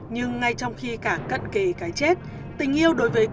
nhưng ngay trong khi cả cất kề cái chết tình yêu đối với cường